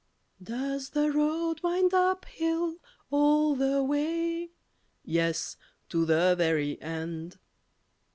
Does the road wind up hill all the way? Yes, to the very end.